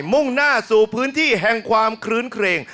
มุ่งหน้าสู่พื้นที่แห่งความคลื้นเครง